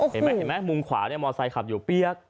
เห็นไหมมุมขวาเนี่ยมอเตอร์ไซค์ขับอยู่เปี๊ยก